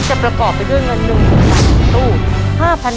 จะประกอบไปด้วยเงินเงิน๑๐๐๐ตู้